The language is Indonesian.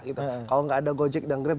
kalau tidak ada gojek dan grep